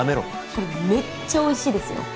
これめっちゃおいしいですよ